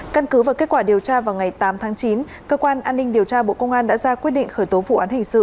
căn cứ và kết quả điều tra vào ngày tám tháng chín cơ quan an ninh điều tra bộ công an đã ra quyết định khởi tố vụ án hình sự